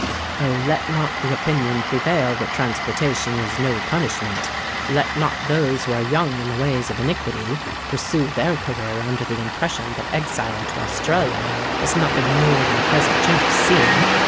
Oh! let not the opinion prevail that transportation is no punishment; let not those who are young in the ways of iniquity, pursue their career under the impression that exile to Australia is nothing more than a pleasant change of scene!